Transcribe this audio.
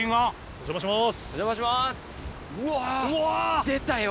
お邪魔します！